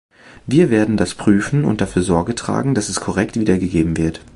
Wir werden das prüfen und dafür Sorge tragen, dass es korrekt wiedergegeben wird.